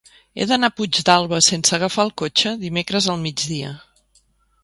He d'anar a Puigdàlber sense agafar el cotxe dimecres al migdia.